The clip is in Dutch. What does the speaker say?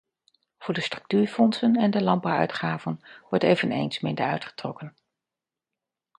Voor de structuurfondsen en de landbouwuitgaven wordt eveneens minder uitgetrokken.